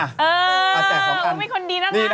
เออผมมีคนดีน่ะนะ